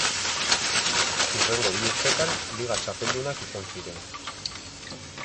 Hurrengo bi urtetan liga txapeldunak izan ziren.